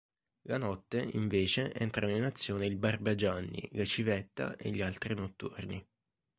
La notte, invece, entrano in azione il barbagianni, la civetta e gli altri notturni.